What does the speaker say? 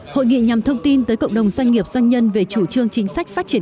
hội nghị nhằm thông tin tới cộng đồng doanh nghiệp doanh nhân về chủ trương chính sách phát triển